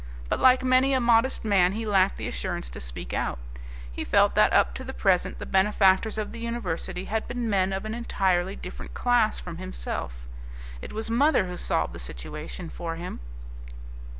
But, like many a modest man, he lacked the assurance to speak out. He felt that up to the present the benefactors of the university had been men of an entirely different class from himself. It was mother who solved the situation for him.